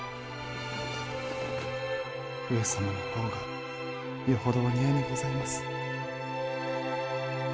上様の方がよほどお似合いにございます。